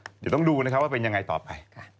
เดี๋ยวต้องดูว่าเป็นอย่างไรต่อไป